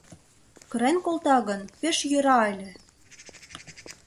Кырен колта гын, пеш йӧра ыле...